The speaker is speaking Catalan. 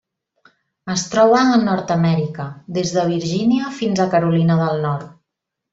Es troba a Nord-amèrica: des de Virgínia fins a Carolina del Nord.